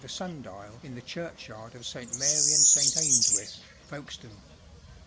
a sun dial in the churchyard of St. Alary and St. Eanswythe, Folkestone.